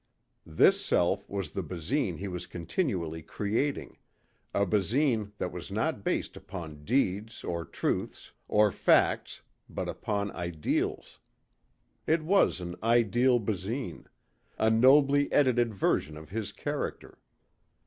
This self was the Basine he was continually creating a Basine that was not based upon deeds or truths or facts but upon ideals. It was an ideal Basine a nobly edited version of his character.